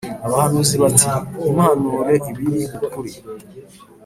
abahanuzi bati «Ntimuhanure ibiri ukuri,